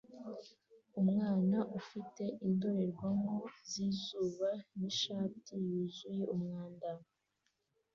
Umwana ufite indorerwamo zizuba nishati yuzuye umwanda